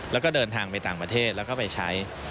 แล้วก็เดินทางไปต่างประเทศแล้วก็ไปใช้